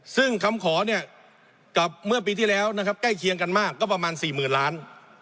ซึ่งคำขอเนี่ยกับเมื่อปีที่แล้วนะครับใกล้เคียงกันมากก็ประมาณ๔๐๐๐ล้าน